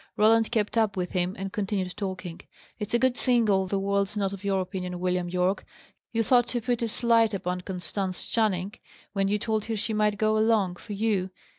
Roland kept up with him and continued talking. "It's a good thing all the world's not of your opinion, William Yorke! You thought to put a slight upon Constance Channing, when you told her she might go along, for you.